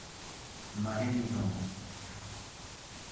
Mare di Roma.